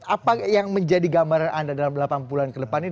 apa yang menjadi gambaran anda dalam delapan bulan ke depan ini